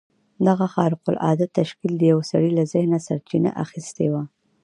دغه خارق العاده تشکيل د يوه سړي له ذهنه سرچينه اخيستې وه.